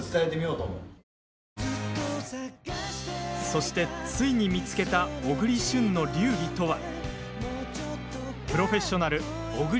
そして、ついに見つけた小栗旬の流儀とは。